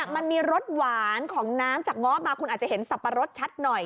มันมีรสหวานของน้ำจากง้อมาคุณอาจจะเห็นสับปะรดชัดหน่อย